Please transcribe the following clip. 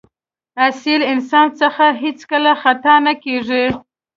اصیل انسان څخه هېڅکله خطا نه کېږي.